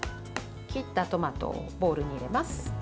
切ったトマトをボウルに入れます。